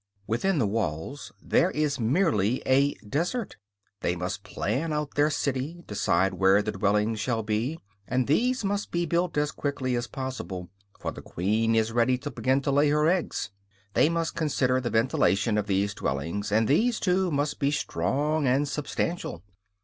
Within the walls there is merely a desert; they must plan out their city, decide where the dwellings shall be; and these must be built as quickly as possible, for the queen is ready to begin to lay her eggs. They must consider the ventilation of these dwellings, and these, too, must be strong and substantial.